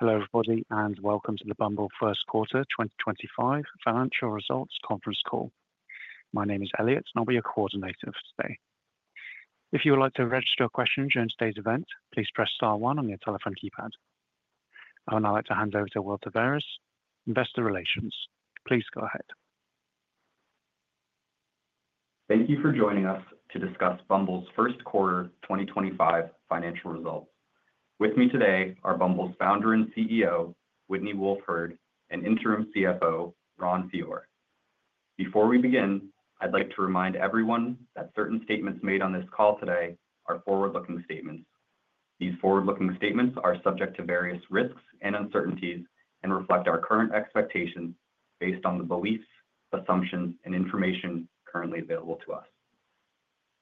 Hello everybody and welcome to the Bumble First Quarter 2025 Financial Results Conference Call. My name is Elliot and I'll be your coordinator for today. If you would like to register a question during today's event, please press star one on your telephone keypad. I would now like to hand over to Will Taveras, Investor Relations. Please go ahead. Thank you for joining us to discuss Bumble's First Quarter 2025 financial results. With me today are Bumble's founder and CEO, Whitney Wolfe Herd, and Interim CFO, Ron Fiore. Before we begin, I'd like to remind everyone that certain statements made on this call today are forward-looking statements. These forward-looking statements are subject to various risks and uncertainties and reflect our current expectations based on the beliefs, assumptions, and information currently available to us.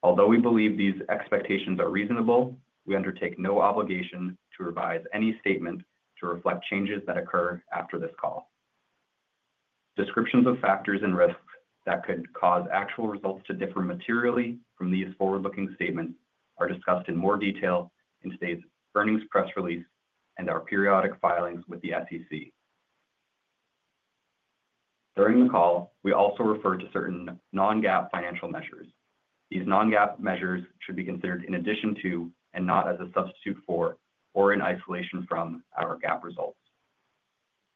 Although we believe these expectations are reasonable, we undertake no obligation to revise any statement to reflect changes that occur after this call. Descriptions of factors and risks that could cause actual results to differ materially from these forward-looking statements are discussed in more detail in today's earnings press release and our periodic filings with the SEC. During the call, we also refer to certain non-GAAP financial measures. These non-GAAP measures should be considered in addition to and not as a substitute for or in isolation from our GAAP results.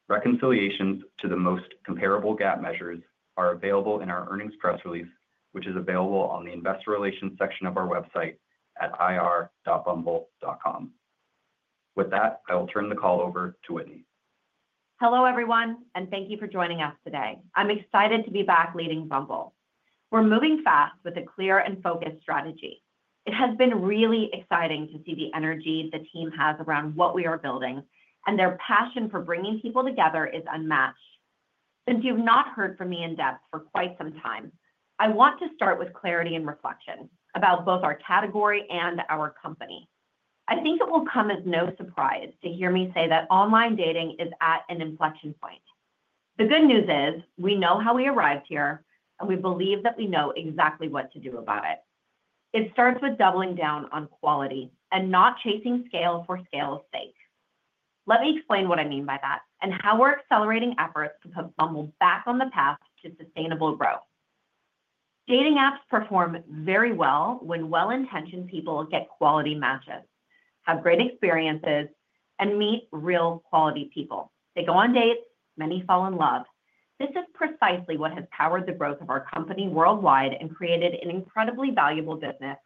Reconciliations to the most comparable GAAP measures are available in our earnings press release, which is available on the Investor Relations section of our website at ir.bumble.com. With that, I will turn the call over to Whitney. Hello everyone and thank you for joining us today. I'm excited to be back leading Bumble. We're moving fast with a clear and focused strategy. It has been really exciting to see the energy the team has around what we are building, and their passion for bringing people together is unmatched. Since you've not heard from me in depth for quite some time, I want to start with clarity and reflection about both our category and our company. I think it will come as no surprise to hear me say that online dating is at an inflection point. The good news is we know how we arrived here, and we believe that we know exactly what to do about it. It starts with doubling down on quality and not chasing scale for scale's sake. Let me explain what I mean by that and how we're accelerating efforts to put Bumble back on the path to sustainable growth. Dating apps perform very well when well-intentioned people get quality matches, have great experiences, and meet real quality people. They go on dates, many fall in love. This is precisely what has powered the growth of our company worldwide and created an incredibly valuable business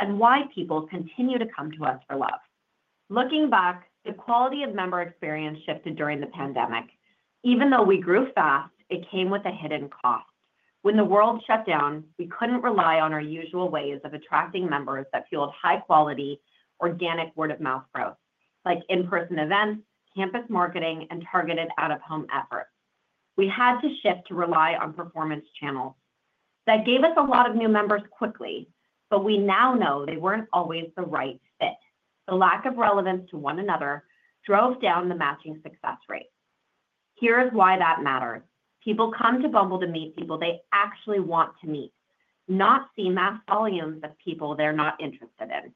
and why people continue to come to us for love. Looking back, the quality of member experience shifted during the pandemic. Even though we grew fast, it came with a hidden cost. When the world shut down, we couldn't rely on our usual ways of attracting members that fueled high-quality, organic word-of-mouth growth, like in-person events, campus marketing, and targeted out-of-home efforts. We had to shift to rely on performance channels. That gave us a lot of new members quickly, but we now know they weren't always the right fit. The lack of relevance to one another drove down the matching success rate. Here's why that matters. People come to Bumble to meet people they actually want to meet, not see mass volumes of people they're not interested in.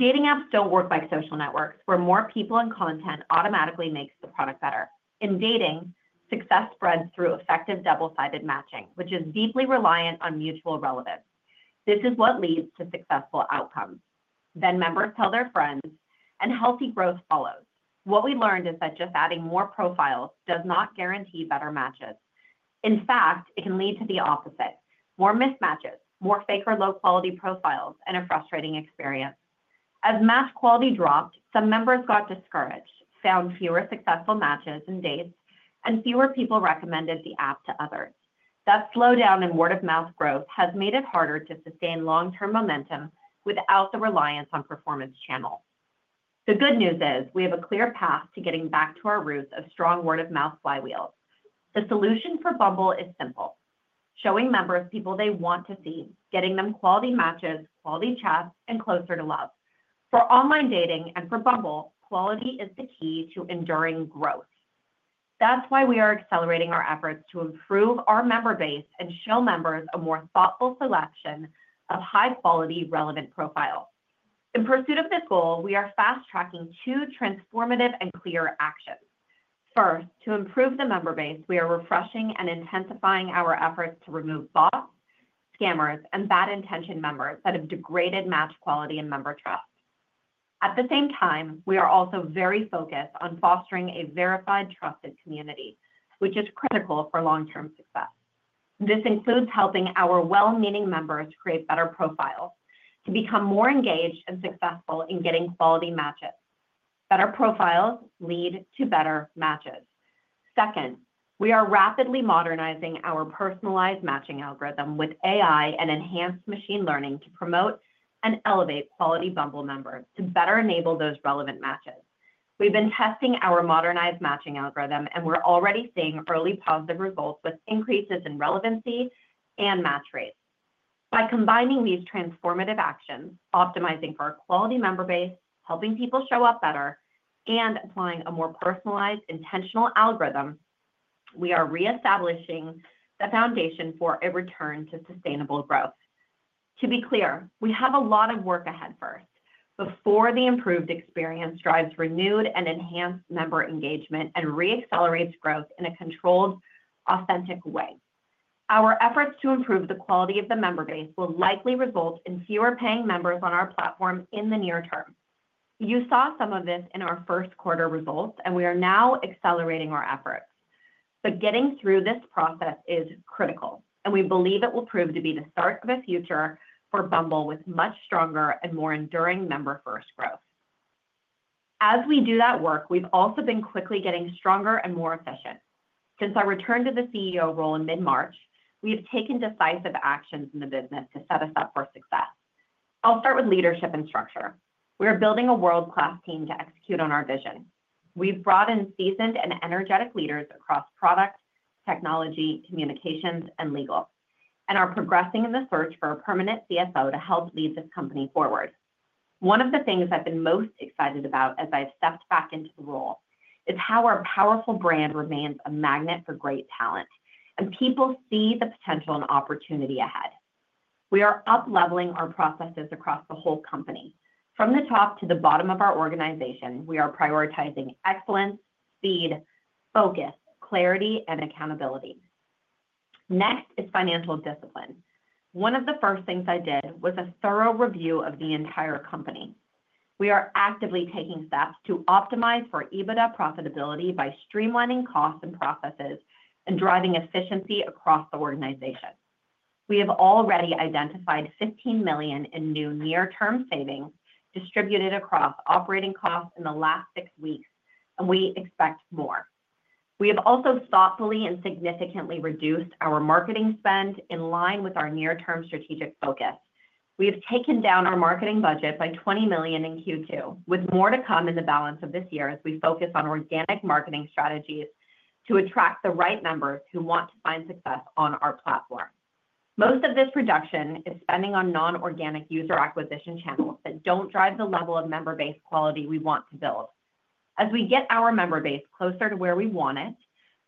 Dating apps don't work like social networks where more people and content automatically makes the product better. In dating, success spreads through effective double-sided matching, which is deeply reliant on mutual relevance. This is what leads to successful outcomes. Then members tell their friends, and healthy growth follows. What we learned is that just adding more profiles does not guarantee better matches. In fact, it can lead to the opposite: more mismatches, more fake or low-quality profiles, and a frustrating experience. As match quality dropped, some members got discouraged, found fewer successful matches and dates, and fewer people recommended the app to others. That slowdown in word-of-mouth growth has made it harder to sustain long-term momentum without the reliance on performance channels. The good news is we have a clear path to getting back to our roots of strong word-of-mouth flywheels. The solution for Bumble is simple: showing members people they want to see, getting them quality matches, quality chats, and closer to love. For online dating and for Bumble, quality is the key to enduring growth. That's why we are accelerating our efforts to improve our member base and show members a more thoughtful selection of high-quality, relevant profiles. In pursuit of this goal, we are fast-tracking two transformative and clear actions. First, to improve the member base, we are refreshing and intensifying our efforts to remove bots, scammers, and bad-intentioned members that have degraded match quality and member trust. At the same time, we are also very focused on fostering a verified, trusted community, which is critical for long-term success. This includes helping our well-meaning members create better profiles to become more engaged and successful in getting quality matches. Better profiles lead to better matches. Second, we are rapidly modernizing our personalized matching algorithm with AI and enhanced machine learning to promote and elevate quality Bumble members to better enable those relevant matches. We've been testing our modernized matching algorithm, and we're already seeing early positive results with increases in relevancy and match rates. By combining these transformative actions, optimizing for our quality member base, helping people show up better, and applying a more personalized, intentional algorithm, we are reestablishing the foundation for a return to sustainable growth. To be clear, we have a lot of work ahead first. Before the improved experience drives renewed and enhanced member engagement and re-accelerates growth in a controlled, authentic way. Our efforts to improve the quality of the member base will likely result in fewer paying members on our platform in the near term. You saw some of this in our first quarter results, and we are now accelerating our efforts. Getting through this process is critical, and we believe it will prove to be the start of a future for Bumble with much stronger and more enduring member-first growth. As we do that work, we've also been quickly getting stronger and more efficient. Since our return to the CEO role in mid-March, we have taken decisive actions in the business to set us up for success. I'll start with leadership and structure. We are building a world-class team to execute on our vision. We've brought in seasoned and energetic leaders across product, technology, communications, and legal, and are progressing in the search for a permanent CFO to help lead this company forward. One of the things I've been most excited about as I've stepped back into the role is how our powerful brand remains a magnet for great talent, and people see the potential and opportunity ahead. We are up-leveling our processes across the whole company. From the top to the bottom of our organization, we are prioritizing excellence, speed, focus, clarity, and accountability. Next is financial discipline. One of the first things I did was a thorough review of the entire company. We are actively taking steps to optimize for EBITDA profitability by streamlining costs and processes and driving efficiency across the organization. We have already identified $15 million in new near-term savings distributed across operating costs in the last six weeks, and we expect more. We have also thoughtfully and significantly reduced our marketing spend in line with our near-term strategic focus. We have taken down our marketing budget by $20 million in Q2, with more to come in the balance of this year as we focus on organic marketing strategies to attract the right members who want to find success on our platform. Most of this reduction is spending on non-organic user acquisition channels that do not drive the level of member base quality we want to build. As we get our member base closer to where we want it,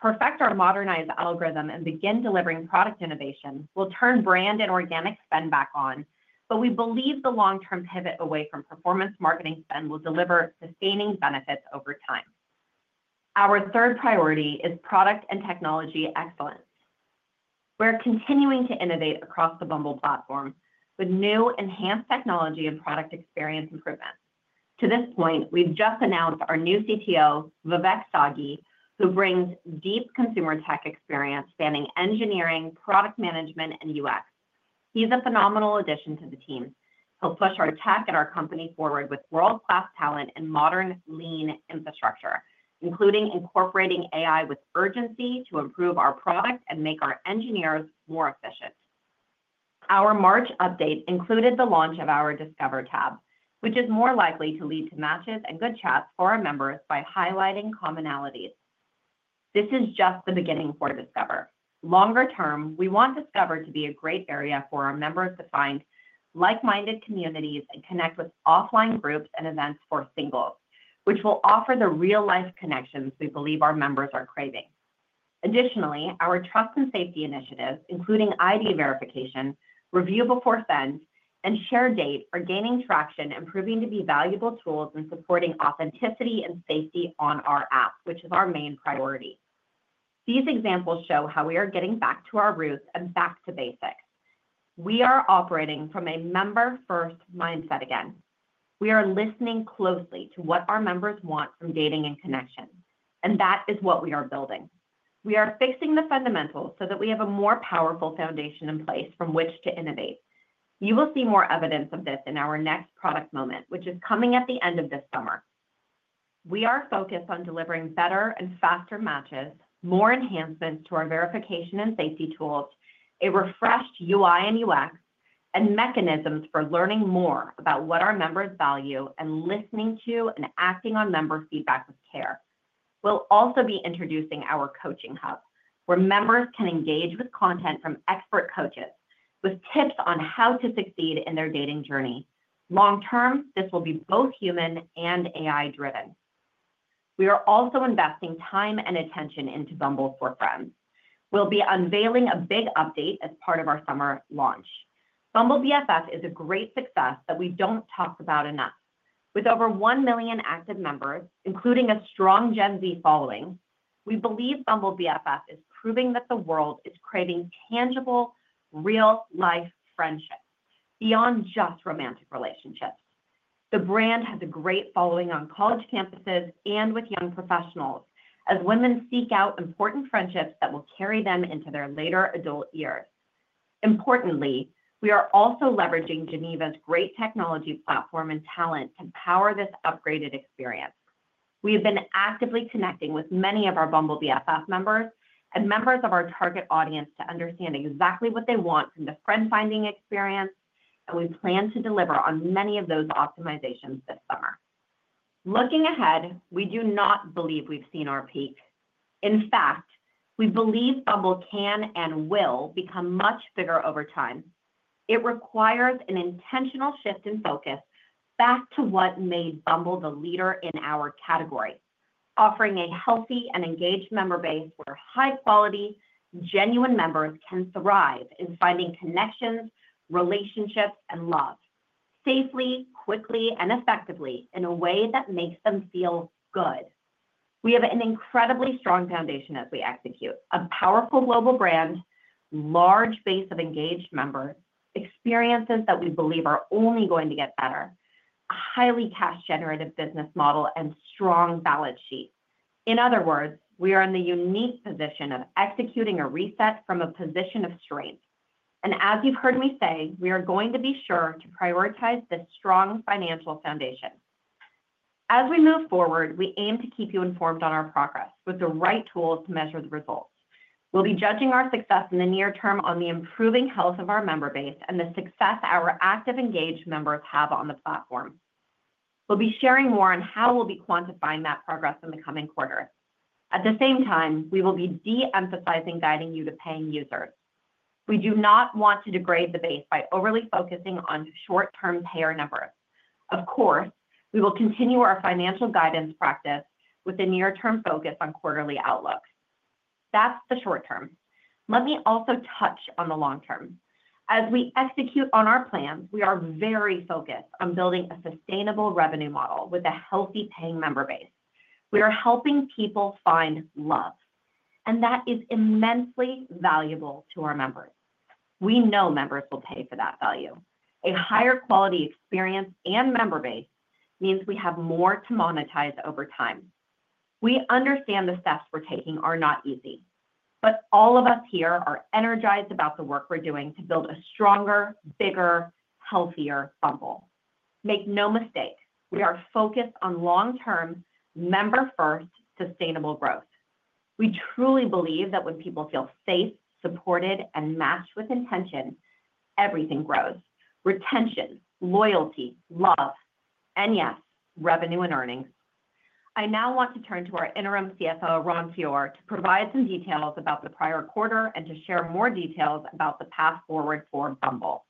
perfect our modernized algorithm and begin delivering product innovation, we will turn brand and organic spend back on, but we believe the long-term pivot away from performance marketing spend will deliver sustaining benefits over time. Our third priority is product and technology excellence. We are continuing to innovate across the Bumble platform with new enhanced technology and product experience improvements. To this point, we have just announced our new CTO, Vivek Sagi, who brings deep consumer tech experience spanning engineering, product management, and UX. He is a phenomenal addition to the team. He will push our tech and our company forward with world-class talent and modern, lean infrastructure, including incorporating AI with urgency to improve our product and make our engineers more efficient. Our March update included the launch of our Discover Tab, which is more likely to lead to matches and good chats for our members by highlighting commonalities. This is just the beginning for Discover. Longer term, we want Discover to be a great area for our members to find like-minded communities and connect with offline groups and events for singles, which will offer the real-life connections we believe our members are craving. Additionally, our trust and safety initiatives, including ID Verification, Review Before Send, and Share Date, are gaining traction and proving to be valuable tools in supporting authenticity and safety on our app, which is our main priority. These examples show how we are getting back to our roots and back to basics. We are operating from a member-first mindset again. We are listening closely to what our members want from dating and connection, and that is what we are building. We are fixing the fundamentals so that we have a more powerful foundation in place from which to innovate. You will see more evidence of this in our next product moment, which is coming at the end of this summer. We are focused on delivering better and faster matches, more enhancements to our verification and safety tools, a refreshed UI and UX, and mechanisms for learning more about what our members value and listening to and acting on member feedback with care. We'll also be introducing our Coaching Hub where members can engage with content from expert coaches with tips on how to succeed in their dating journey. Long term, this will be both human and AI-driven. We are also investing time and attention into Bumble for Friends. We'll be unveiling a big update as part of our summer launch. Bumble BFF is a great success that we don't talk about enough. With over 1 million active members, including a strong Gen Z following, we believe Bumble BFF is proving that the world is craving tangible, real-life friendships beyond just romantic relationships. The brand has a great following on college campuses and with young professionals as women seek out important friendships that will carry them into their later adult years. Importantly, we are also leveraging Geneva's great technology platform and talent to power this upgraded experience. We have been actively connecting with many of our Bumble BFF members and members of our target audience to understand exactly what they want from the friend-finding experience, and we plan to deliver on many of those optimizations this summer. Looking ahead, we do not believe we've seen our peak. In fact, we believe Bumble can and will become much bigger over time. It requires an intentional shift in focus back to what made Bumble the leader in our category, offering a healthy and engaged member base where high-quality, genuine members can thrive in finding connections, relationships, and love safely, quickly, and effectively in a way that makes them feel good. We have an incredibly strong foundation as we execute: a powerful global brand, a large base of engaged members, experiences that we believe are only going to get better, a highly cash-generative business model, and a strong balance sheet. In other words, we are in the unique position of executing a reset from a position of strength. As you have heard me say, we are going to be sure to prioritize this strong financial foundation. As we move forward, we aim to keep you informed on our progress with the right tools to measure the results. We'll be judging our success in the near term on the improving health of our member base and the success our active engaged members have on the platform. We'll be sharing more on how we'll be quantifying that progress in the coming quarter. At the same time, we will be de-emphasizing guiding you to paying users. We do not want to degrade the base by overly focusing on short-term payer numbers. Of course, we will continue our financial guidance practice with a near-term focus on quarterly outlook. That's the short term. Let me also touch on the long term. As we execute on our plans, we are very focused on building a sustainable revenue model with a healthy paying member base. We are helping people find love, and that is immensely valuable to our members. We know members will pay for that value. A higher quality experience and member base means we have more to monetize over time. We understand the steps we're taking are not easy, but all of us here are energized about the work we're doing to build a stronger, bigger, healthier Bumble. Make no mistake, we are focused on long-term, member-first, sustainable growth. We truly believe that when people feel safe, supported, and matched with intention, everything grows: retention, loyalty, love, and yes, revenue and earnings. I now want to turn to our Interim CFO, Ron Fiore, to provide some details about the prior quarter and to share more details about the path forward for Bumble.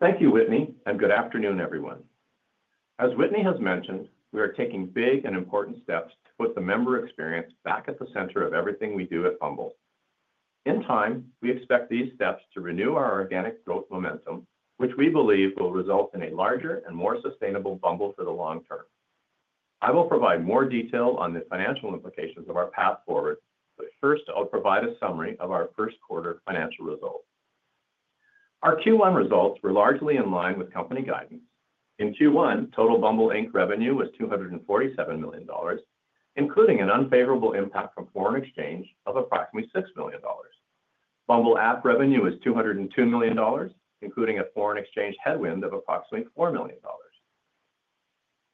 Thank you, Whitney, and good afternoon, everyone. As Whitney has mentioned, we are taking big and important steps to put the member experience back at the center of everything we do at Bumble. In time, we expect these steps to renew our organic growth momentum, which we believe will result in a larger and more sustainable Bumble for the long term. I will provide more detail on the financial implications of our path forward, but first, I'll provide a summary of our first quarter financial results. Our Q1 results were largely in line with company guidance. In Q1, total Bumble revenue was $247 million, including an unfavorable impact from foreign exchange of approximately $6 million. Bumble app revenue was $202 million, including a foreign exchange headwind of approximately $4 million.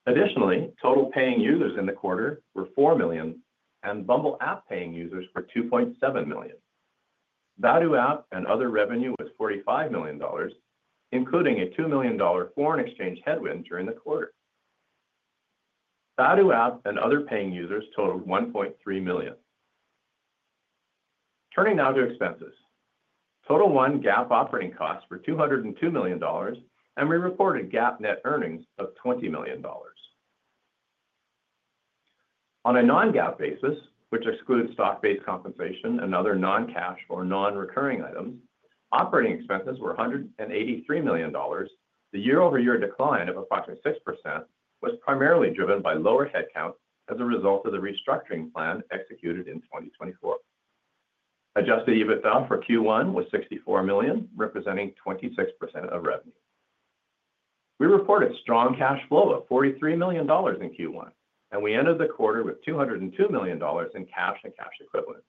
Additionally, total paying users in the quarter were 4 million, and Bumble app paying users were 2.7 million. Value app and other revenue was $45 million, including a $2 million foreign exchange headwind during the quarter. Value app and other paying users totaled 1.3 million. Turning now to expenses. Total non-GAAP operating costs were $202 million, and we reported GAAP net earnings of $20 million. On a non-GAAP basis, which excludes stock-based compensation and other non-cash or non-recurring items, operating expenses were $183 million. The year-over-year decline of approximately 6% was primarily driven by lower headcount as a result of the restructuring plan executed in 2024. Adjusted EBITDA for Q1 was $64 million, representing 26% of revenue. We reported strong cash flow of $43 million in Q1, and we ended the quarter with $202 million in cash and cash equivalents.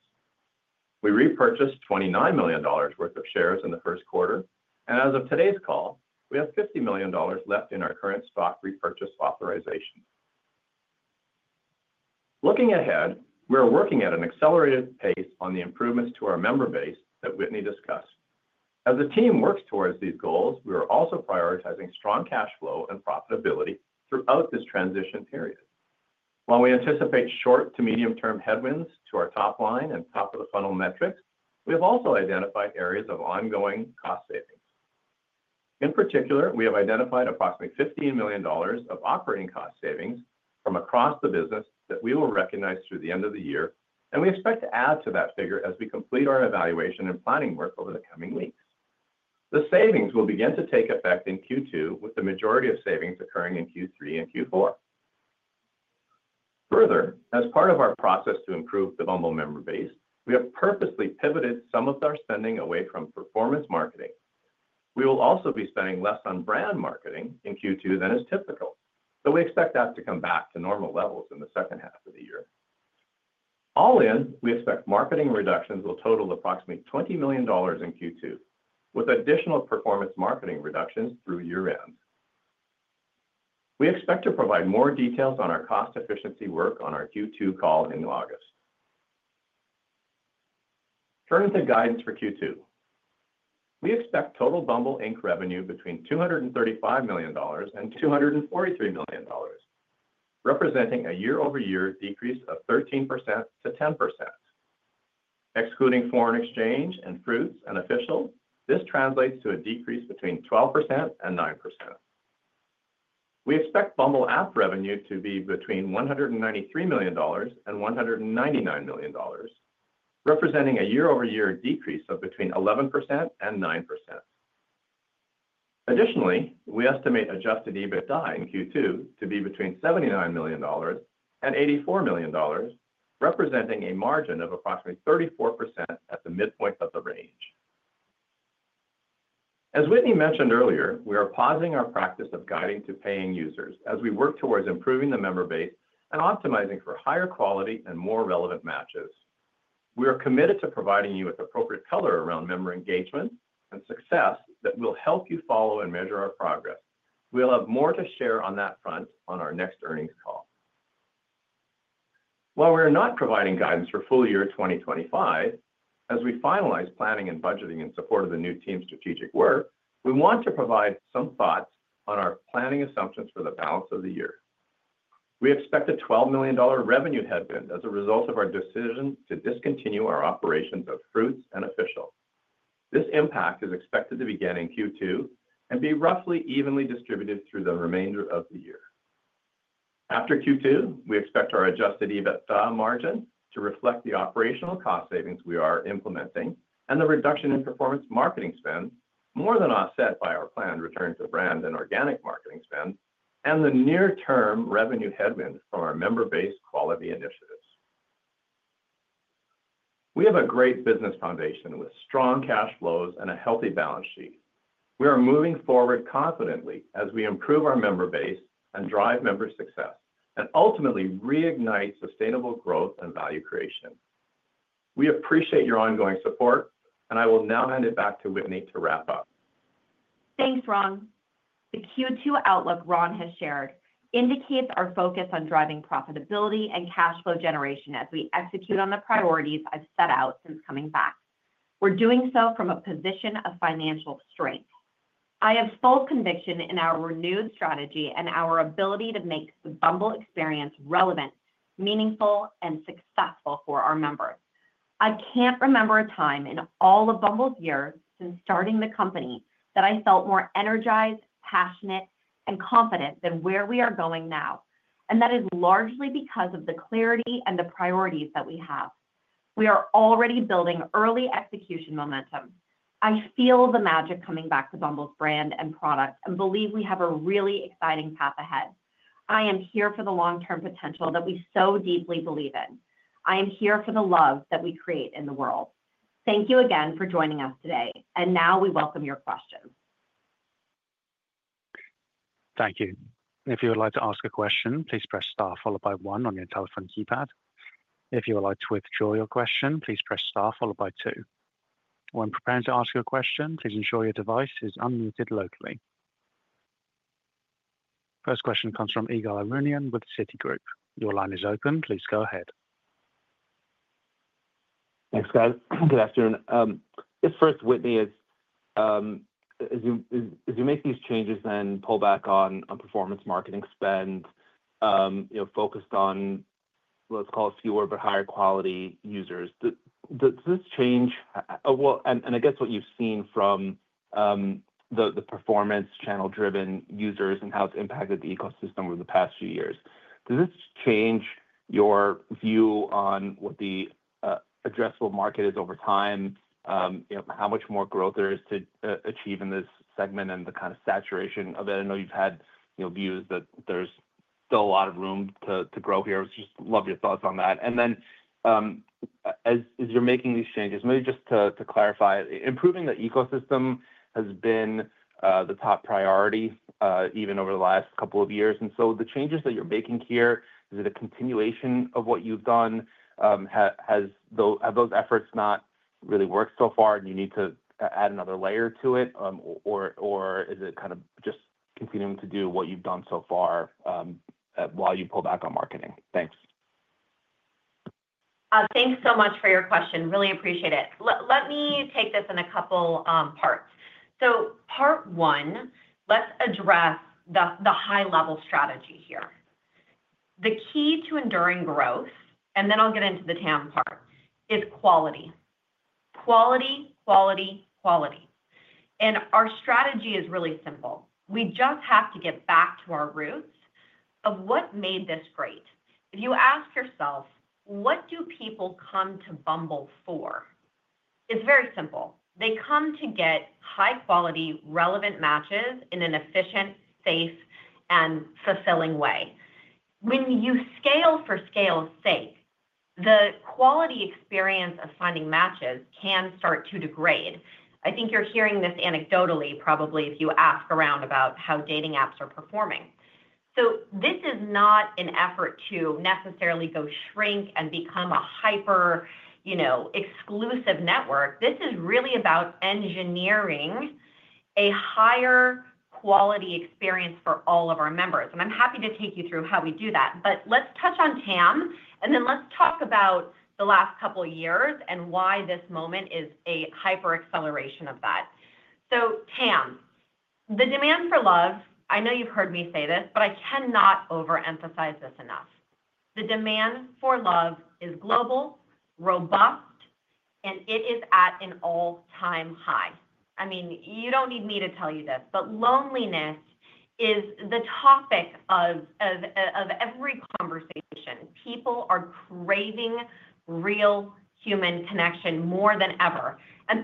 We repurchased $29 million worth of shares in the first quarter, and as of today's call, we have $50 million left in our current stock repurchase authorization. Looking ahead, we are working at an accelerated pace on the improvements to our member base that Whitney discussed. As the team works towards these goals, we are also prioritizing strong cash flow and profitability throughout this transition period. While we anticipate short to medium-term headwinds to our top line and top-of-the-funnel metrics, we have also identified areas of ongoing cost savings. In particular, we have identified approximately $15 million of operating cost savings from across the business that we will recognize through the end of the year, and we expect to add to that figure as we complete our evaluation and planning work over the coming weeks. The savings will begin to take effect in Q2, with the majority of savings occurring in Q3 and Q4. Further, as part of our process to improve the Bumble member base, we have purposely pivoted some of our spending away from performance marketing. We will also be spending less on brand marketing in Q2 than is typical, though we expect that to come back to normal levels in the second half of the year. All in, we expect marketing reductions will total approximately $20 million in Q2, with additional performance marketing reductions through year-end. We expect to provide more details on our cost efficiency work on our Q2 call in August. Turning to guidance for Q2, we expect total Bumble revenue between $235 million-$243 million, representing a year-over-year decrease of 13%-10%. Excluding foreign exchange and Fruitz and Official, this translates to a decrease between 12%-9%. We expect Bumble app revenue to be between $193 million and $199 million, representing a year-over-year decrease of between 11% and 9%. Additionally, we estimate adjusted EBITDA in Q2 to be between $79 million and $84 million, representing a margin of approximately 34% at the midpoint of the range. As Whitney mentioned earlier, we are pausing our practice of guiding to paying users as we work towards improving the member base and optimizing for higher quality and more relevant matches. We are committed to providing you with appropriate color around member engagement and success that will help you follow and measure our progress. We'll have more to share on that front on our next earnings call. While we are not providing guidance for full year 2025, as we finalize planning and budgeting in support of the new team's strategic work, we want to provide some thoughts on our planning assumptions for the balance of the year. We expect a $12 million revenue headwind as a result of our decision to discontinue our operations of Fruitz and Official. This impact is expected to begin in Q2 and be roughly evenly distributed through the remainder of the year. After Q2, we expect our adjusted EBITDA margin to reflect the operational cost savings we are implementing and the reduction in performance marketing spend more than offset by our planned return to brand and organic marketing spend and the near-term revenue headwind from our member base quality initiatives. We have a great business foundation with strong cash flows and a healthy balance sheet. We are moving forward confidently as we improve our member base and drive member success and ultimately reignite sustainable growth and value creation. We appreciate your ongoing support, and I will now hand it back to Whitney to wrap up. Thanks, Ron. The Q2 outlook Ron has shared indicates our focus on driving profitability and cash flow generation as we execute on the priorities I've set out since coming back. We're doing so from a position of financial strength. I have full conviction in our renewed strategy and our ability to make the Bumble experience relevant, meaningful, and successful for our members. I can't remember a time in all of Bumble's years since starting the company that I felt more energized, passionate, and confident than where we are going now, and that is largely because of the clarity and the priorities that we have. We are already building early execution momentum. I feel the magic coming back to Bumble's brand and product and believe we have a really exciting path ahead. I am here for the long-term potential that we so deeply believe in. I am here for the love that we create in the world. Thank you again for joining us today, and now we welcome your questions. Thank you. If you would like to ask a question, please press star followed by one on your telephone keypad. If you would like to withdraw your question, please press star followed by two. When preparing to ask your question, please ensure your device is unmuted locally. First question comes from Igor Arunian with Citigroup. Your line is open. Please go ahead. Thanks, guys. Good afternoon. If first, Whitney, as you make these changes and pull back on performance marketing spend, focused on, let's call it fewer but higher quality users, does this change, and I guess what you've seen from the performance channel-driven users and how it's impacted the ecosystem over the past few years, does this change your view on what the addressable market is over time, how much more growth there is to achieve in this segment and the kind of saturation of it? I know you've had views that there's still a lot of room to grow here. I just love your thoughts on that. As you're making these changes, maybe just to clarify, improving the ecosystem has been the top priority even over the last couple of years. The changes that you're making here, is it a continuation of what you've done? Have those efforts not really worked so far and you need to add another layer to it, or is it kind of just continuing to do what you've done so far while you pull back on marketing? Thanks. Thanks so much for your question. Really appreciate it. Let me take this in a couple of parts. Part one, let's address the high-level strategy here. The key to enduring growth, and then I'll get into the TAM part, is Quality. Quality, Quality, quality. Our strategy is really simple. We just have to get back to our roots of what made this great. If you ask yourself, what do people come to Bumble for? It's very simple. They come to get high-quality, relevant matches in an efficient, safe, and fulfilling way. When you scale for scale's sake, the quality experience of finding matches can start to degrade. I think you're hearing this anecdotally, probably, if you ask around about how dating apps are performing. This is not an effort to necessarily go shrink and become a hyper-exclusive network. This is really about engineering a higher quality experience for all of our members. I'm happy to take you through how we do that. Let's touch on TAM, and then let's talk about the last couple of years and why this moment is a hyper-acceleration of that. TAM, the demand for love—I know you've heard me say this, but I cannot overemphasize this enough. The demand for love is global, robust, and it is at an all-time high. I mean, you don't need me to tell you this, but loneliness is the topic of every conversation. People are craving real human connection more than ever.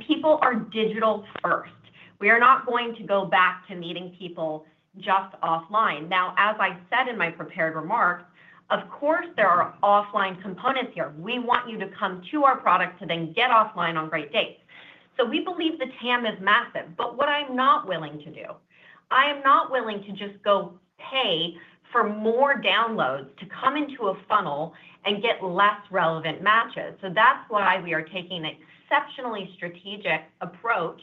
People are digital first. We are not going to go back to meeting people just offline. Now, as I said in my prepared remarks, of course, there are offline components here. We want you to come to our product to then get offline on great dates. We believe the TAM is massive. What I'm not willing to do, I am not willing to just go pay for more downloads to come into a funnel and get less relevant matches. That is why we are taking an exceptionally strategic approach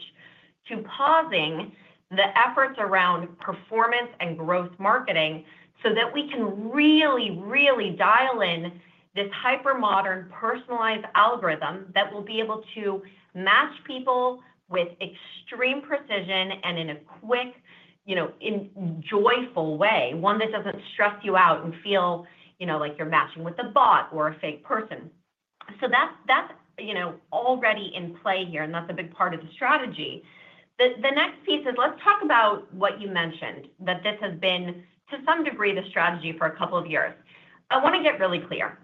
to pausing the efforts around performance and growth marketing so that we can really, really dial in this hyper-modern personalized algorithm that will be able to match people with extreme precision and in a quick, joyful way, one that does not stress you out and feel like you are matching with a bot or a fake person. That's already in play here, and that's a big part of the strategy. The next piece is let's talk about what you mentioned, that this has been, to some degree, the strategy for a couple of years. I want to get really clear.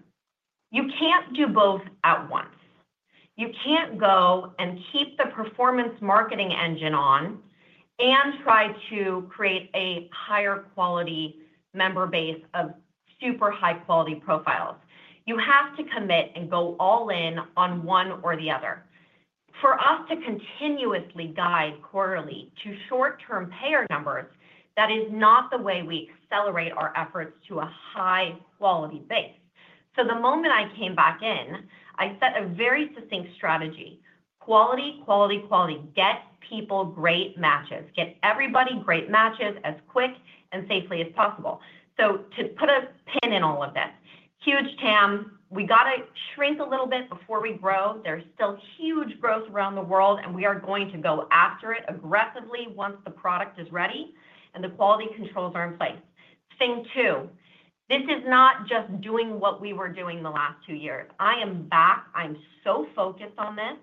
You can't do both at once. You can't go and keep the performance marketing engine on and try to create a higher quality member base of super high-quality profiles. You have to commit and go all in on one or the other. For us to continuously guide quarterly to short-term payer numbers, that is not the way we accelerate our efforts to a high-quality base. The moment I came back in, I set a very succinct strategy. Quality, quality, quality. Get people great matches. Get everybody great matches as quick and safely as possible. To put a pin in all of this, huge TAM, we got to shrink a little bit before we grow. There is still huge growth around the world, and we are going to go after it aggressively once the product is ready and the quality controls are in place. Thing two, this is not just doing what we were doing the last two years. I am back. I am so focused on this,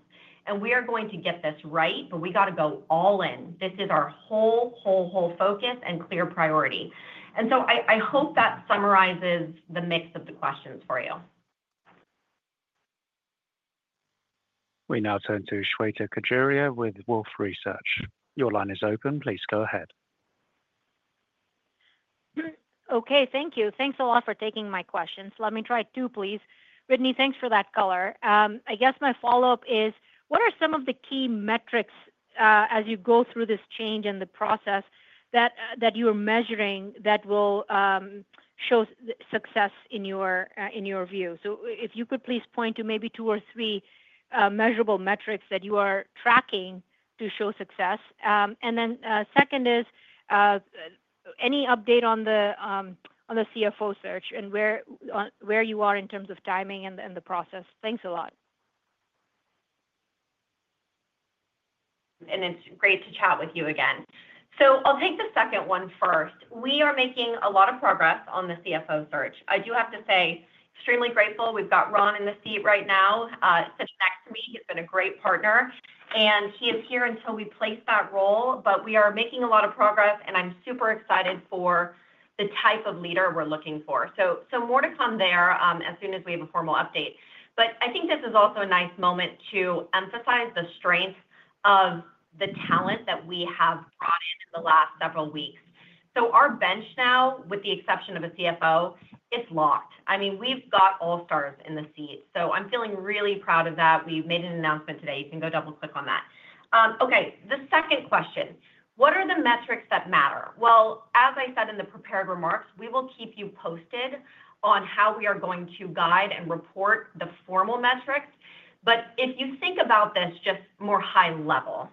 and we are going to get this right, but we got to go all in. This is our whole, whole, whole focus and clear priority. I hope that summarizes the mix of the questions for you. We now turn to Shweta Khajuria with Wolfe Research. Your line is open. Please go ahead. Okay. Thank you. Thanks a lot for taking my questions. Let me try two, please. Whitney, thanks for that color. I guess my follow-up is, what are some of the key metrics as you go through this change in the process that you are measuring that will show success in your view? If you could please point to maybe two or three measurable metrics that you are tracking to show success. Second is any update on the CFO search and where you are in terms of timing and the process. Thanks a lot. It's great to chat with you again. I'll take the second one first. We are making a lot of progress on the CFO search. I do have to say, extremely grateful. We've got Ron in the seat right now, sitting next to me. He's been a great partner, and he is here until we place that role. We are making a lot of progress, and I'm super excited for the type of leader we're looking for. More to come there as soon as we have a formal update. I think this is also a nice moment to emphasize the strength of the talent that we have brought in in the last several weeks. Our bench now, with the exception of a CFO, is locked. I mean, we've got all stars in the seat. I'm feeling really proud of that. We've made an announcement today. You can go double-click on that. Okay. The second question, what are the metrics that matter? As I said in the prepared remarks, we will keep you posted on how we are going to guide and report the formal metrics. If you think about this just more high level,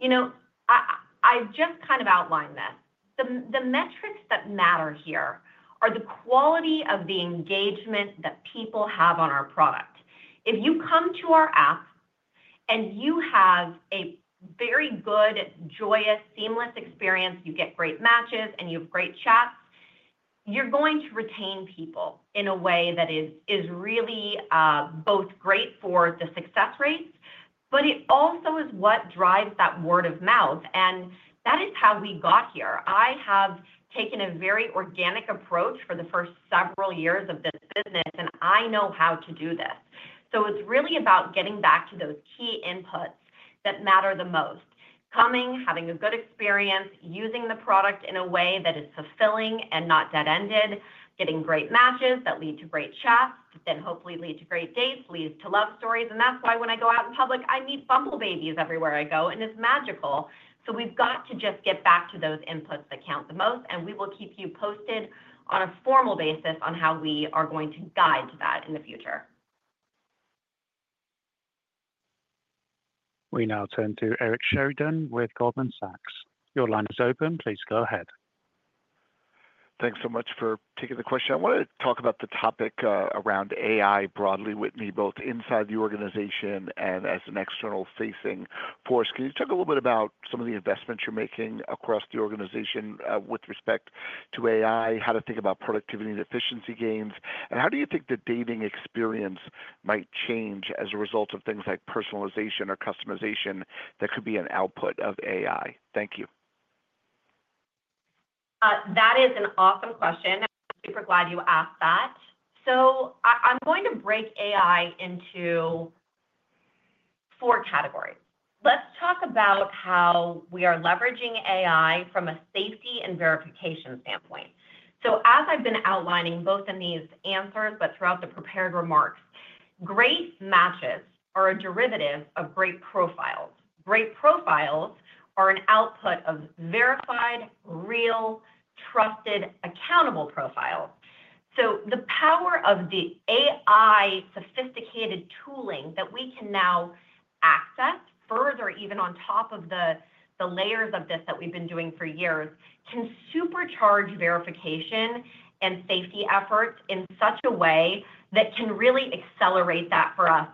I just kind of outlined this. The metrics that matter here are the quality of the engagement that people have on our product. If you come to our app and you have a very good, joyous, seamless experience, you get great matches, and you have great chats, you are going to retain people in a way that is really both great for the success rates, but it also is what drives that word of mouth. That is how we got here. I have taken a very organic approach for the first several years of this business, and I know how to do this. It is really about getting back to those key inputs that matter the most: coming, having a good experience, using the product in a way that is fulfilling and not dead-ended, getting great matches that lead to great chats, that then hopefully lead to great dates, leads to love stories. That is why when I go out in public, I meet Bumble Babies everywhere I go, and it's magical. We have to just get back to those inputs that count the most, and we will keep you posted on a formal basis on how we are going to guide to that in the future. We now turn to Eric Sheridan with Goldman Sachs. Your line is open. Please go ahead. Thanks so much for taking the question. I want to talk about the topic around AI broadly, Whitney, both inside the organization and as an external-facing force. Can you talk a little bit about some of the investments you're making across the organization with respect to AI, how to think about productivity and efficiency gains, and how do you think the dating experience might change as a result of things like personalization or customization that could be an output of AI? Thank you. That is an awesome question. I'm super glad you asked that. I'm going to break AI into four categories. Let's talk about how we are leveraging AI from a safety and verification standpoint. As I've been outlining both in these answers but throughout the prepared remarks, great matches are a derivative of great profiles. Great profiles are an output of verified, real, trusted, accountable profiles. The power of the AI sophisticated tooling that we can now access further, even on top of the layers of this that we've been doing for years, can supercharge verification and safety efforts in such a way that can really accelerate that for us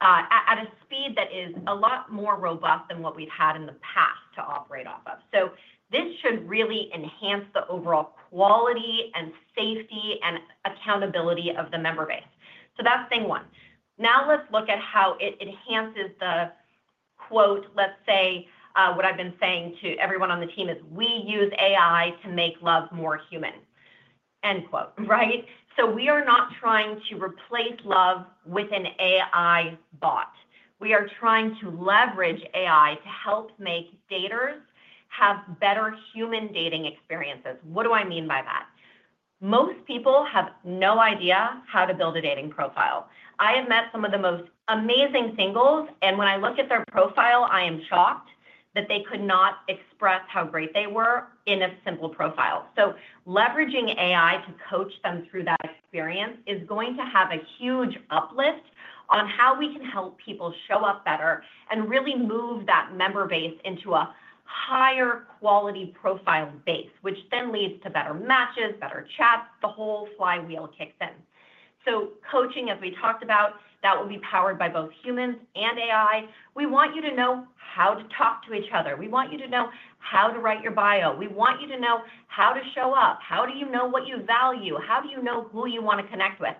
at a speed that is a lot more robust than what we've had in the past to operate off of. This should really enhance the overall quality and safety and accountability of the member base. That's thing one. Now let's look at how it enhances the, quote, let's say, what I've been saying to everyone on the team is, "We use AI to make love more human." End quote, right? We are not trying to replace love with an AI bot. We are trying to leverage AI to help make daters have better human dating experiences. What do I mean by that? Most people have no idea how to build a dating profile. I have met some of the most amazing singles, and when I look at their profile, I am shocked that they could not express how great they were in a simple profile. Leveraging AI to coach them through that experience is going to have a huge uplift on how we can help people show up better and really move that member base into a higher quality profile base, which then leads to better matches, better chats. The whole flywheel kicks in. Coaching, as we talked about, that will be powered by both humans and AI. We want you to know how to talk to each other. We want you to know how to write your bio. We want you to know how to show up. How do you know what you value? How do you know who you want to connect with?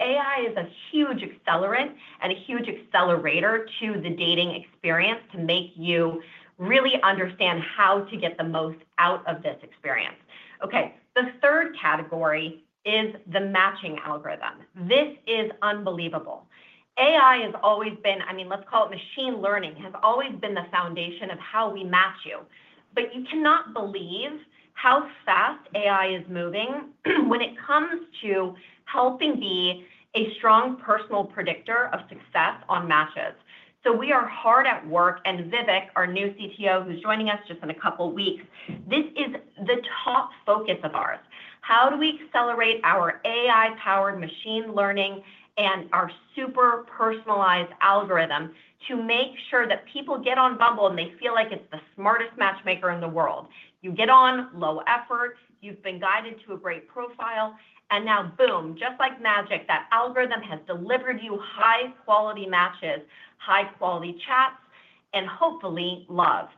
AI is a huge accelerant and a huge accelerator to the dating experience to make you really understand how to get the most out of this experience. Okay. The third category is the matching algorithm. This is unbelievable. AI has always been—I mean, let's call it machine learning—has always been the foundation of how we match you. You cannot believe how fast AI is moving when it comes to helping be a strong personal predictor of success on matches. We are hard at work, and Vivek, our new CTO, who's joining us just in a couple of weeks, this is the top focus of ours. How do we accelerate our AI-powered machine learning and our super personalized algorithm to make sure that people get on Bumble and they feel like it's the smartest matchmaker in the world? You get on, low effort, you've been guided to a great profile, and now, boom, just like magic, that algorithm has delivered you high-quality matches, high-quality chats, and hopefully love.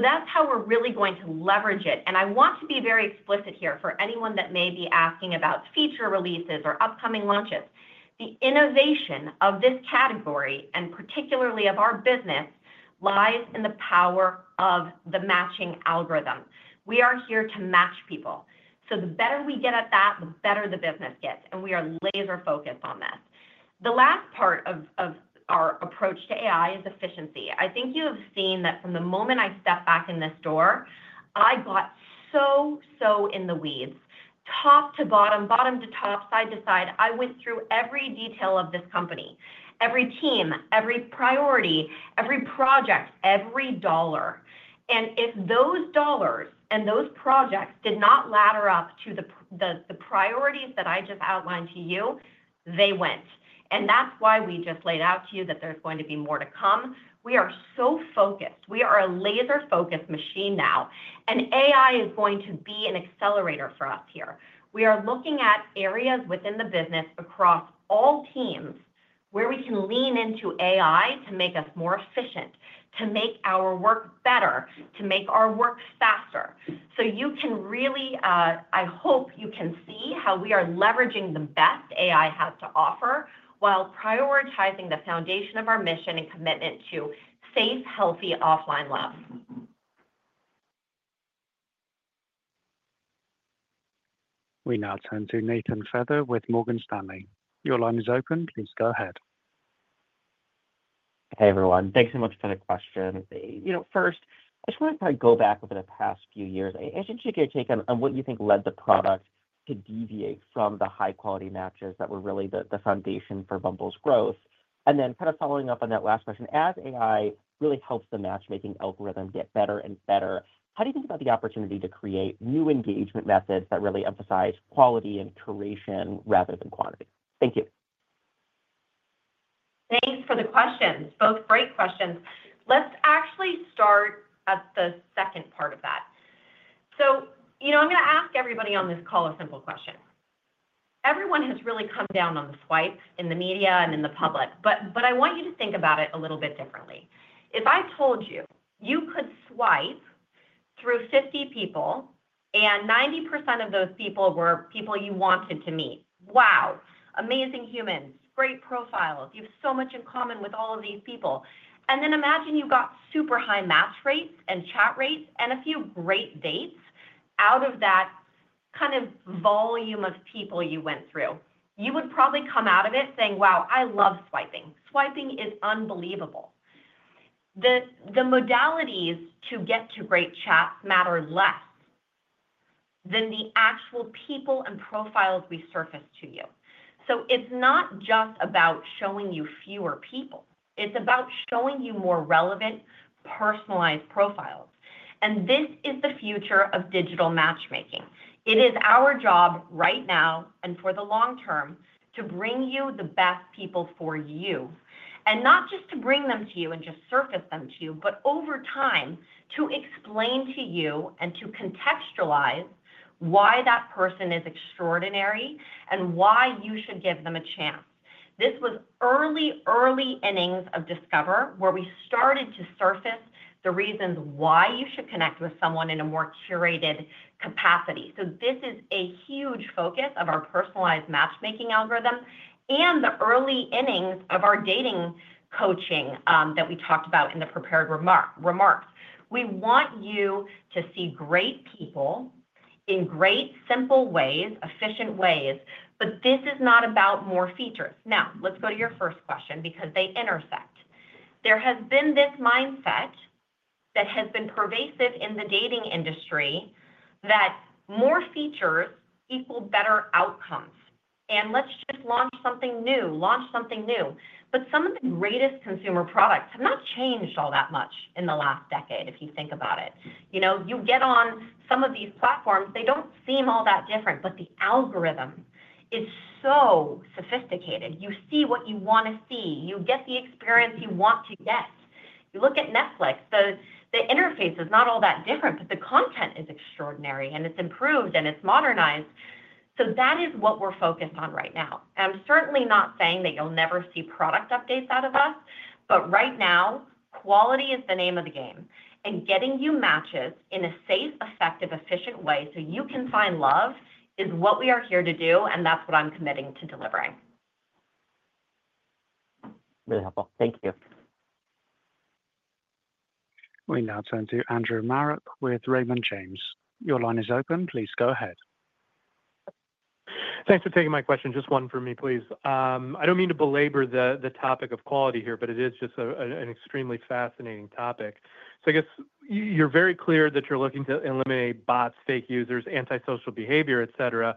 That is how we're really going to leverage it. I want to be very explicit here for anyone that may be asking about feature releases or upcoming launches. The innovation of this category, and particularly of our business, lies in the power of the matching algorithm. We are here to match people. The better we get at that, the better the business gets. We are laser-focused on this. The last part of our approach to AI is efficiency. I think you have seen that from the moment I stepped back in this door, I got so, so in the weeds. Top to bottom, bottom to top, side to side, I went through every detail of this company, every team, every priority, every project, every dollar. If those dollars and those projects did not ladder up to the priorities that I just outlined to you, they went. That is why we just laid out to you that there is going to be more to come. We are so focused. We are a laser-focused machine now. AI is going to be an accelerator for us here. We are looking at areas within the business across all teams where we can lean into AI to make us more efficient, to make our work better, to make our work faster. You can really—I hope you can see how we are leveraging the best AI has to offer while prioritizing the foundation of our mission and commitment to safe, healthy offline love. We now turn to Nathan Feather with Morgan Stanley. Your line is open. Please go ahead. Hey, everyone. Thanks so much for the question. First, I just want to kind of go back over the past few years. I just want your take on what you think led the product to deviate from the high-quality matches that were really the foundation for Bumble's growth. And then kind of following up on that last question, as AI really helps the matchmaking algorithm get better and better, how do you think about the opportunity to create new engagement methods that really emphasize quality and curation rather than quantity? Thank you. Thanks for the questions. Both great questions. Let's actually start at the second part of that. I'm going to ask everybody on this call a simple question. Everyone has really come down on the swipes in the media and in the public. I want you to think about it a little bit differently. If I told you you could swipe through 50 people and 90% of those people were people you wanted to meet, wow, amazing humans, great profiles, you have so much in common with all of these people. Imagine you got super high match rates and chat rates and a few great dates out of that kind of volume of people you went through. You would probably come out of it saying, "Wow, I love swiping. Swiping is unbelievable." The modalities to get to great chats matter less than the actual people and profiles we surface to you. It is not just about showing you fewer people. It is about showing you more relevant, personalized profiles. This is the future of digital matchmaking. It is our job right now and for the long term to bring you the best people for you. Not just to bring them to you and just surface them to you, but over time to explain to you and to contextualize why that person is extraordinary and why you should give them a chance. This was early, early innings of Discover where we started to surface the reasons why you should connect with someone in a more curated capacity. This is a huge focus of our personalized matchmaking algorithm and the early innings of our dating coaching that we talked about in the prepared remarks. We want you to see great people in g reat, simple ways, efficient ways. This is not about more features. Now, let's go to your first question because they intersect. There has been this mindset that has been pervasive in the dating industry that more features equal better outcomes. Let's just launch something new, launch something new. Some of the greatest consumer products have not changed all that much in the last decade if you think about it. You get on some of these platforms, they do not seem all that different, but the algorithm is so sophisticated. You see what you want to see. You get the experience you want to get. You look at Netflix. The interface is not all that different, but the content is extraordinary and it is improved and it is modernized. That is what we are focused on right now. I am certainly not saying that you will never see product updates out of us, but right now, quality is the name of the game. Getting you matches in a safe, effective, efficient way so you can find love is what we are here to do, and that's what I'm committing to delivering. Really helpful. Thank you. We now turn to Andrew Marok with Raymond James. Your line is open. Please go ahead. Thanks for taking my question. Just one from me, please. I don't mean to belabor the topic of quality here, but it is just an extremely fascinating topic. I guess you're very clear that you're looking to eliminate bots, fake users, anti-social behavior, etc.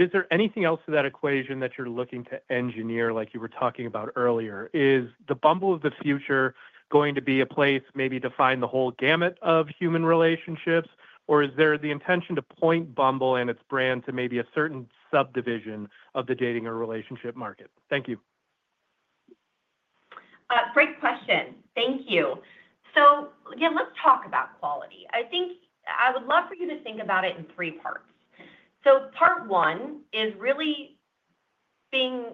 Is there anything else to that equation that you're looking to engineer like you were talking about earlier? Is the Bumble of the future going to be a place maybe to find the whole gamut of human relationships, or is there the intention to point Bumble and its brand to maybe a certain subdivision of the dating or relationship market? Thank you. Great question. Thank you. Yeah, let's talk about quality. I think I would love for you to think about it in three parts. Part one is really being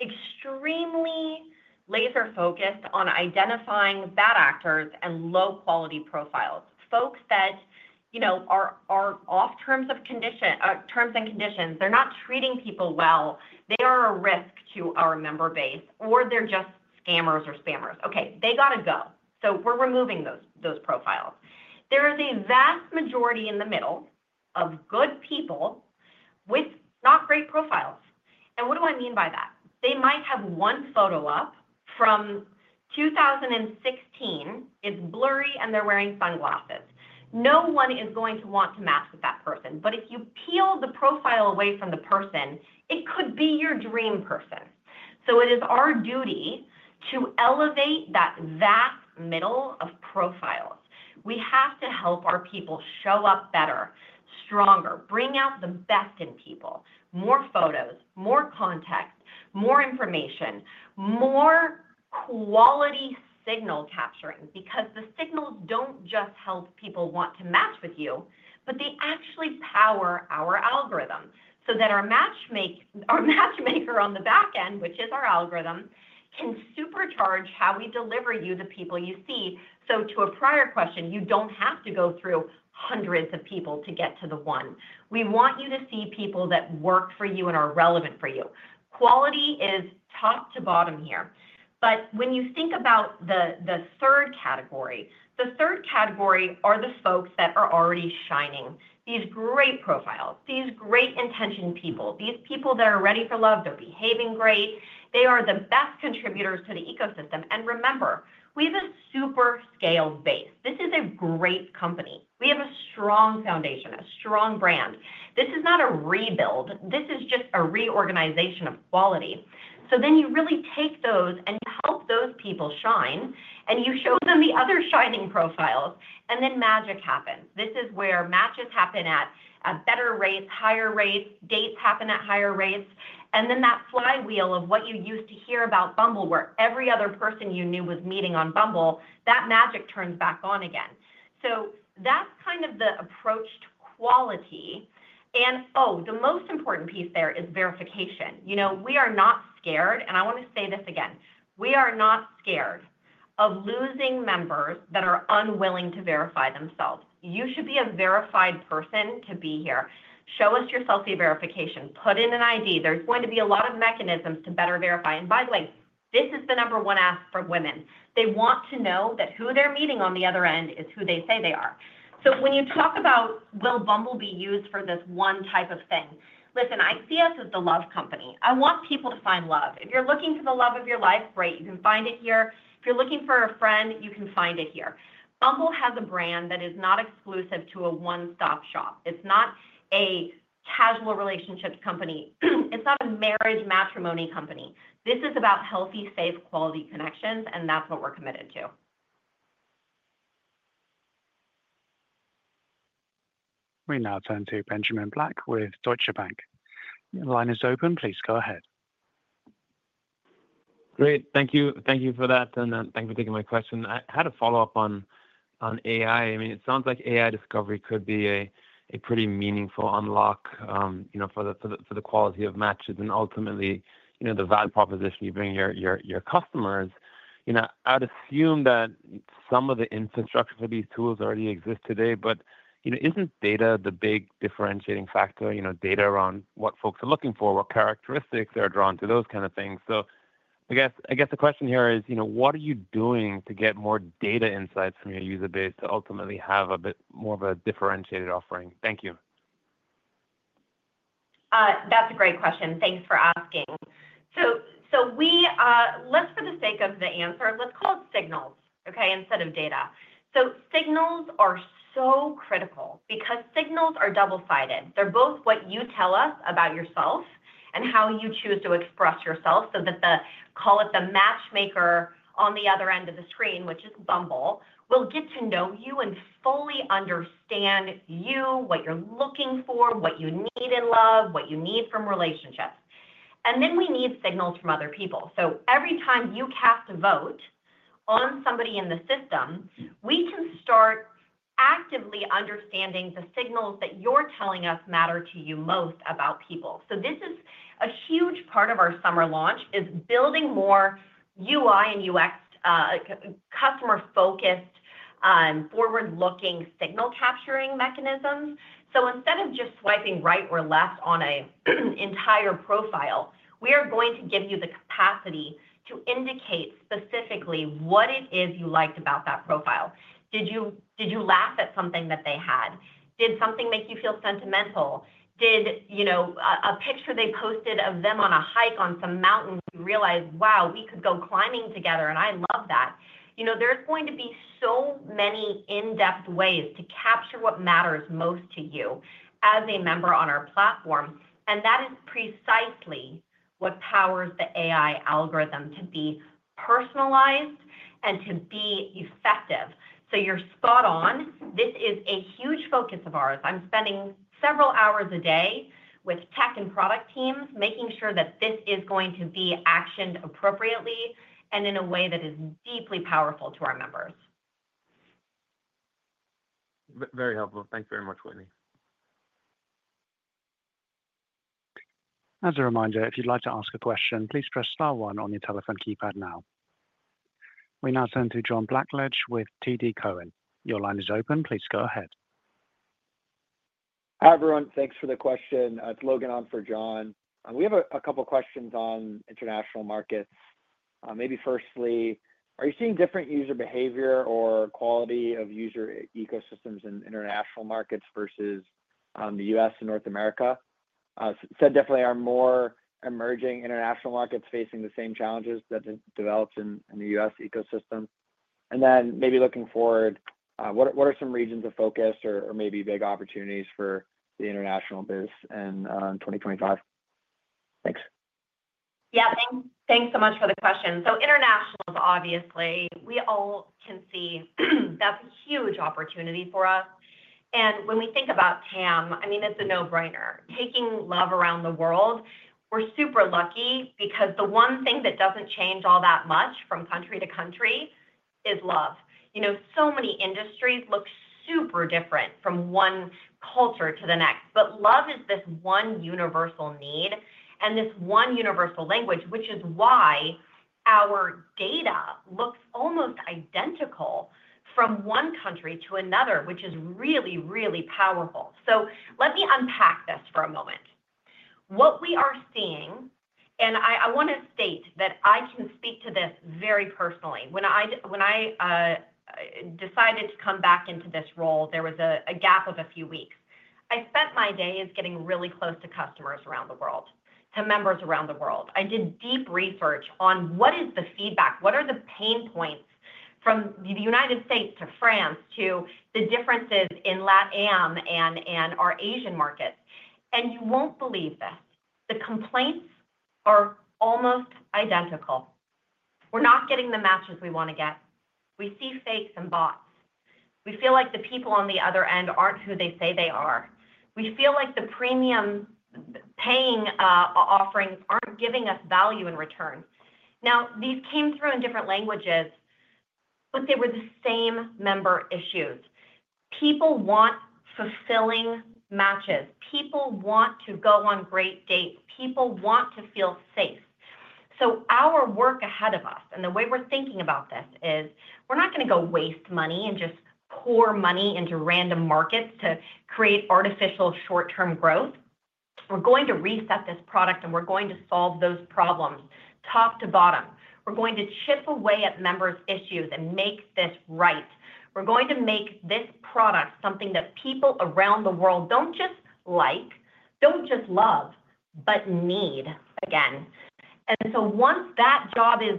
extremely laser-focused on identifying bad actors and low-quality profiles. Folks that are off terms and conditions, they're not treating people well. They are a risk to our member base, or they're just scammers or spammers. Okay. They got to go. We're removing those profiles. There is a vast majority in the middle of good people with not great profiles. What do I mean by that? They might have one photo up from 2016. It's blurry, and they're wearing sunglasses. No one is going to want to match with that person. If you peel the profile away from the person, it could be your dream person. It is our duty to elevate that vast middle of profiles. We have to help our people show up better, stronger, bring out the best in people, more photos, more context, more information, more quality signal capturing because the signals do not just help people want to match with you, but they actually power our algorithm so that our matchmaker on the back end, which is our algorithm, can supercharge how we deliver you the people you see. To a prior question, you do not have to go through hundreds of people to get to the one. We want you to see people that work for you and are relevant for you. Quality is top to bottom here. When you think about the third category, the third category are the folks that are already shining. These great profiles, these great intention people, these people that are ready for love, they're behaving great. They are the best contributors to the ecosystem. Remember, we have a super scaled base. This is a great company. We have a strong foundation, a strong brand. This is not a rebuild. This is just a reorganization of quality. You really take those and help those people shine, and you show them the other shining profiles, and then magic happens. This is where matches happen at better rates, higher rates, dates happen at higher rates. That flywheel of what you used to hear about Bumble, where every other person you knew was meeting on Bumble, that magic turns back on again. That's kind of the approach to quality. The most important piece there is verification. We are not scared, and I want to say this again, we are not scared of losing members that are unwilling to verify themselves. You should be a verified person to be here. Show us your selfie verification. Put in an ID. There's going to be a lot of mechanisms to better verify. By the way, this is the number one ask for women. They want to know that who they're meeting on the other end is who they say they are. When you talk about, will Bumble be used for this one type of thing? Listen, I see us as the love company. I want people to find love. If you're looking for the love of your life, great. You can find it here. If you're looking for a friend, you can find it here. Bumble has a brand that is not exclusive to a one-stop shop. It's not a casual relationship company. It's not a marriage matrimony company. This is about healthy, safe, quality connections, and that's what we're committed to. We now turn to Benjamin Black with Deutsche Bank. Your line is open. Please go ahead. Great. Thank you for that, and thank you for taking my question. I had a follow-up on AI. I mean, it sounds like AI discovery could be a pretty meaningful unlock for the quality of matches and ultimately the value proposition you bring your customers. I'd assume that some of the infrastructure for these tools already exists today, but isn't data the big differentiating factor? Data around what folks are looking for, what characteristics they're drawn to, those kinds of things. I guess the question here is, what are you doing to get more data insights from your user base to ultimately have a bit more of a differentiated offering? Thank you. That's a great question. Thanks for asking. For the sake of the answer, let's call it signals, okay, instead of data. Signals are so critical because signals are double-sided. They're both what you tell us about yourself and how you choose to express yourself so that the, call it the matchmaker on the other end of the screen, which is Bumble, will get to know you and fully understand you, what you're looking for, what you need in love, what you need from relationships. We need signals from other people. Every time you cast a vote on somebody in the system, we can start actively understanding the signals that you're telling us matter to you most about people. This is a huge part of our summer launch, building more UI and UX customer-focused, forward-looking signal capturing mechanisms. Instead of just swiping right or left on an entire profile, we are going to give you the capacity to indicate specifically what it is you liked about that profile. Did you laugh at something that they had? Did something make you feel sentimental? Did a picture they posted of them on a hike on some mountain make you realize, "Wow, we could go climbing together, and I love that"? There are going to be so many in-depth ways to capture what matters most to you as a member on our platform. That is precisely what powers the AI algorithm to be personalized and to be effective. You're spot on. This is a huge focus of ours. I'm spending several hours a day with tech and product teams making sure that this is going to be actioned appropriately and in a way that is deeply powerful to our members. Very helpful. Thanks very much, Whitney. As a reminder, if you'd like to ask a question, please press star one on your telephone keypad now. We now turn to John Blackledge with TD Cowen. Your line is open. Please go ahead. Hi, everyone. Thanks for the question. It's Logan on for John. We have a couple of questions on international markets. Maybe firstly, are you seeing different user behavior or quality of user ecosystems in international markets versus the U.S. and North America? Said definitely are more emerging international markets facing the same challenges that developed in the U.S. ecosystem? And then maybe looking forward, what are some regions of focus or maybe big opportunities for the international biz in 2025? Thanks. Yeah. Thanks so much for the question. So internationals, obviously, we all can see that's a huge opportunity for us. And when we think about TAM, I mean, it's a no-brainer. Taking love around the world, we're super lucky because the one thing that doesn't change all that much from country to country is love. So many industries look super different from one culture to the next. But love is this one universal need and this one universal language, which is why our data looks almost identical from one country to another, which is really, really powerful. Let me unpack this for a moment. What we are seeing, and I want to state that I can speak to this very personally. When I decided to come back into this role, there was a gap of a few weeks. I spent my days getting really close to customers around the world, to members around the world. I did deep research on what is the feedback, what are the pain points from the United States to France to the differences in LATAM and our Asian markets. You won't believe this. The complaints are almost identical. We're not getting the matches we want to get. We see fakes and bots. We feel like the people on the other end aren't who they say they are. We feel like the premium paying offerings aren't giving us value in return. These came through in different languages, but they were the same member issues. People want fulfilling matches. People want to go on great dates. People want to feel safe. Our work ahead of us and the way we're thinking about this is we're not going to go waste money and just pour money into random markets to create artificial short-term growth. We're going to reset this product, and we're going to solve those problems top to bottom. We're going to chip away at members' issues and make this right. We're going to make this product something that people around the world don't just like, don't just love, but need again. Once that job is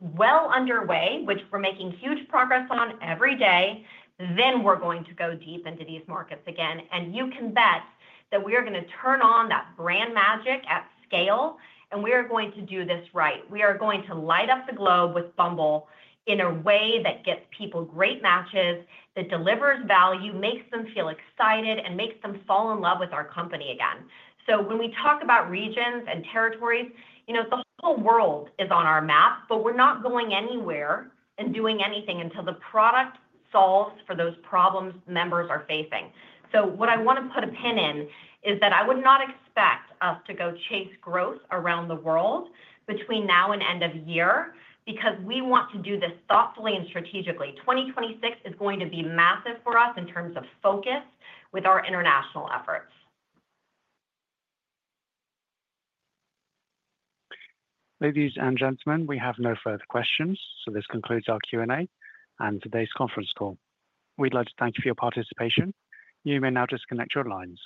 well underway, which we're making huge progress on every day, we are going to go deep into these markets again. You can bet that we are going to turn on that brand magic at scale, and we are going to do this right. We are going to light up the globe with Bumble in a way that gets people great matches, that delivers value, makes them feel excited, and makes them fall in love with our company again. When we talk about regions and territories, the whole world is on our map, but we're not going anywhere and doing anything until the product solves for those problems members are facing. What I want to put a pin in is that I would not expect us to go chase growth around the world between now and end of year because we want to do this thoughtfully and strategically. 2026 is going to be massive for us in terms of focus with our international efforts. Ladies and gentlemen, we have no further questions. This concludes our Q&A and today's conference call. We'd like to thank you for your participation. You may now disconnect your lines.